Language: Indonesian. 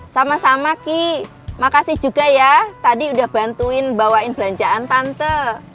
sama sama ki makasih juga ya tadi udah bantuin bawain belanjaan tante